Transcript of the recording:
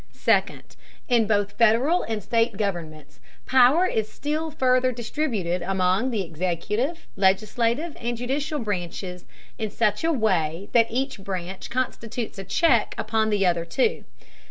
Second, in both Federal and state governments, power is still further distributed among the executive, legislative, and judicial branches in such a way that each branch constitutes a check upon the other two.